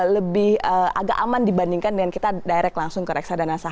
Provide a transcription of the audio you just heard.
lebih agak aman dibandingkan dengan kita direct langsung ke reksadana saham